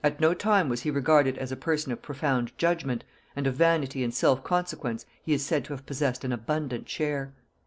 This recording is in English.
At no time was he regarded as a person of profound judgement, and of vanity and self consequence he is said to have possessed an abundant share.